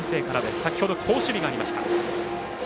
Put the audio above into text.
先ほど好守備がありました。